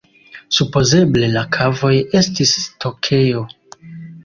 Supozeble la kavoj estis stokejo.